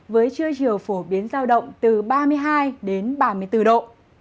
với trưa chiều phổ biến giao động từ ba mươi hai đến ba mươi bốn độ